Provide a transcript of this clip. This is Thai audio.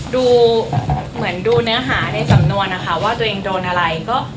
ดูเหมือนดูเนื้อหาในสำนวนนะคะว่าตัวเองโดนอะไรก็